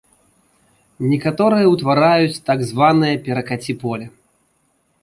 Некаторыя ўтвараюць так званае перакаці-поле.